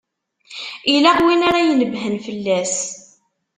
Ilaq win ara inebbhen fell-as.